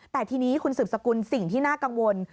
แต่ทีนี้คุณสืบสกุลสิ่งที่น่ากังวล